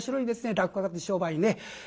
落語家って商売ね。